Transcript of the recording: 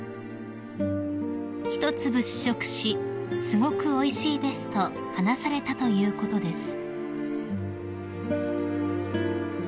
［１粒試食し「すごくおいしいです」と話されたということです］